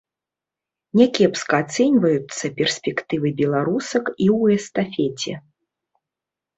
Някепска ацэньваюцца перспектывы беларусак і ў эстафеце.